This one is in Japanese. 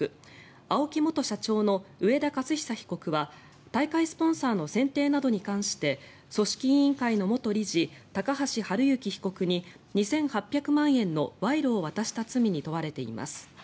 ＡＯＫＩ元社長の上田雄久被告は大会スポンサーの選定などに関して組織委員会の元理事高橋治之被告に２８００万円の賄賂を渡した罪に問われています。